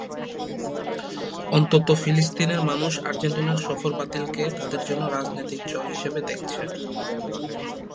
অন্তত ফিলিস্তিনের মানুষ আর্জেন্টিনার সফর বাতিলকে তাদের জন্য রাজনৈতিক জয় হিসেবে দেখছে।